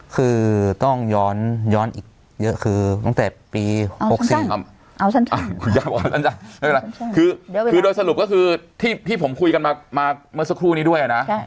คือต้องย้อนอีกเยอะคือตั้งแต่ปี๖๔ครับคือโดยสรุปก็คือที่ผมคุยกันมาเมื่อสักครู่นี้ด้วยนะ